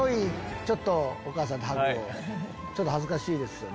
ちょっと恥ずかしいですよね。